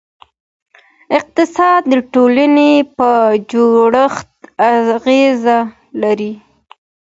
اقتصاد د ټولنې په جوړښت اغېزه لري.